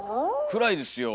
暗いですよ。